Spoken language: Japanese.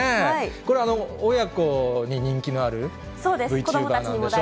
これ、親子に人気のあるＶチューバーなんでしょ。